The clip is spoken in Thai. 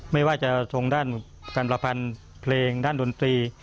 ไม่ว่าจะชงด้านการประพันธ์เพลงด้านดนตรี